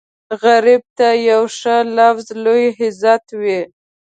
غریب ته یو ښه لفظ لوی عزت وي